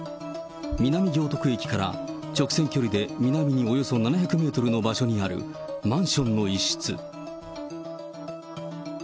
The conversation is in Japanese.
南行徳駅から直線距離で南におよそ７００メートルの場所にある、マンションの一室。